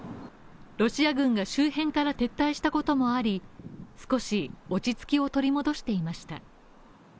ロシア軍が周辺から撤退したこともあり少し落ち着きを取り戻していました。